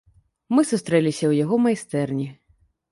Мы сустрэліся ў яго майстэрні.